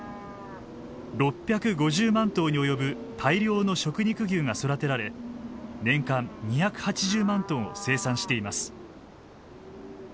６５０万頭に及ぶ大量の食肉牛が育てられ年間２８０万トンを生産しています。